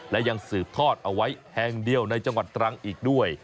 และยังสืบทอดเอาไว้แห่งเดียวในจังหวัดตรังอีกด้วย